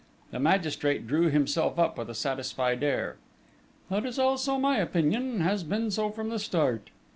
The magistrate drew himself up with a satisfied air. "That is also my opinion has been so from the start."